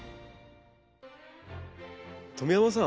富山さん